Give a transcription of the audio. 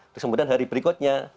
kemudian hari berikutnya